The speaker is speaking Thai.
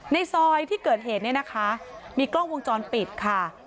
ในซอยที่เกิดเหตุเนี่ยนะคะมีกล้องวงจรปิดค่ะ